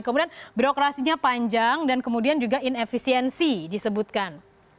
kemudian birokrasinya panjang dan kemudian juga inefisiensi disebutkan